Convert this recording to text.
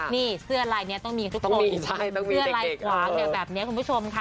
นี่เสื้อลายนี้ต้องมีทุกคนเสื้อลายขวางเนี่ยแบบนี้คุณผู้ชมค่ะ